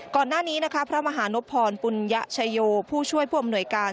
ก่อนหน้านี้พระมหานพรปุญญชโยผู้ช่วยผ่วมหน่วยการ